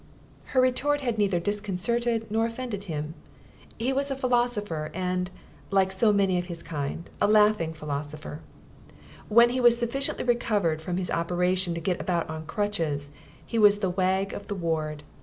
Her retort had neither disconcerted nor offended him. He was a philosopher and, like so many of his kind, a laughing philosopher. When he was sufficiently recovered from his operation to get about on crutches he was the wag of the ward.